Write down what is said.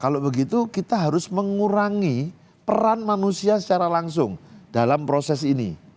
kalau begitu kita harus mengurangi peran manusia secara langsung dalam proses ini